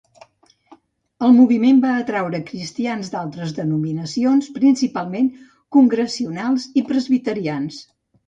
El moviment va atreure cristians d'altres denominacions, principalment congregacionals i presbiterians.